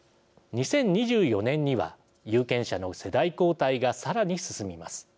２０２４年には有権者の世代交代がさらに進みます。